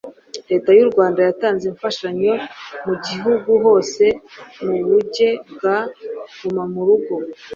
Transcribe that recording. Leta y’Urwanda yatanze imfashanyo mugihugu hose muburye bwa gumamurugo